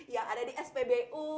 yang ada di spbu